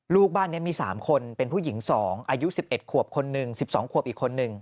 ลูกบ้านนี้มี๓คนเป็นผู้หญิง๒อายุ๑๑ขวบคนหนึ่ง๑๒ขวบอีกคนนึง